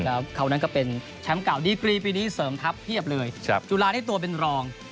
แล้วเขานั้นก็เป็นแชมป์เก่าดีกรีปีนี้เสริมทัพเพียบเลยจุฬาได้ตัวเป็นรอง